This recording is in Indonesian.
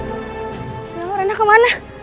ya allah rena kemana